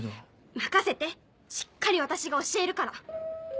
任せてしっかり私が教えるから。